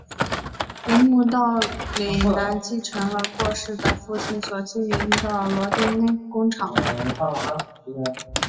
铃木岛男承继了过世的父亲所经营的螺钉工厂。